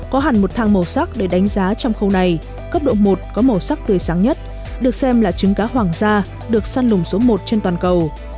có hẳn một thang màu sắc để đánh giá trong khâu này cấp độ một có màu sắc tươi sáng nhất được xem là trứng cá hoàng gia được săn lùng số một trên toàn cầu